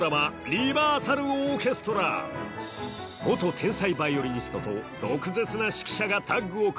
天才ヴァイオリニストと毒舌な指揮者がタッグを組み